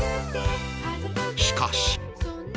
しかし